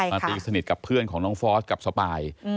ตีสนิทกับเพื่อนของน้องฟอสกับสปาย